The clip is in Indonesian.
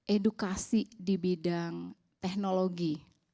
edukasi di bidang teknologi